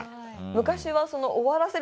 昔はその終わらせるために。